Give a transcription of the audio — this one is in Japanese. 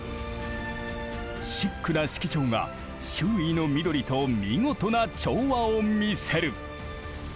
シックな色調が周囲の緑と見事な調和を見せる。